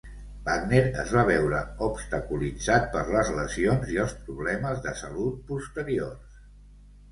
Wagner es va veure obstaculitzat per les lesions i els problemes de salut posteriors.